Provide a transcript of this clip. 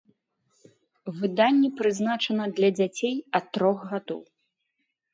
Выданне прызначана для дзяцей ад трох гадоў.